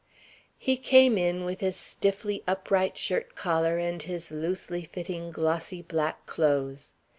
He came in, with his stiffly upright shirt collar and his loosely fitting glossy black clothes.